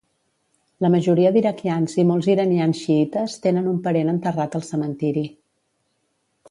La majoria d'iraquians i molts iranians xiïtes tenen un parent enterrat al cementiri.